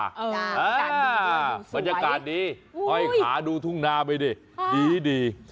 อ้าวบรรยากาศดีขาดูทุ่งหน้าไปดิดี